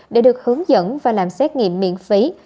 để được hướng dẫn và làm xét nghiệm miễn phí